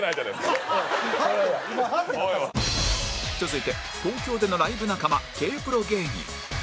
続いて東京でのライブ仲間 Ｋ−ＰＲＯ 芸人